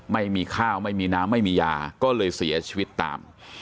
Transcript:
ไม่มีข้าวไม่มีน้ำไม่มียาก็เลยเสียชีวิตตาม